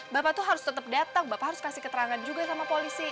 bapak tuh harus tetap datang bapak harus kasih keterangan juga sama polisi